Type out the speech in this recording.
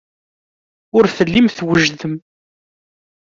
Ur tellim twejdem.